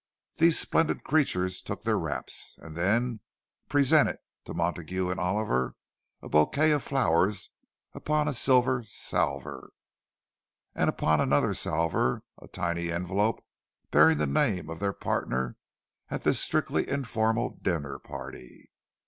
These splendid creatures took their wraps, and then presented to Montague and Oliver a bouquet of flowers upon a silver salver, and upon another salver a tiny envelope bearing the name of their partner at this strictly "informal" dinner party.